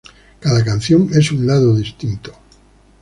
Cada canción es un lado distinto.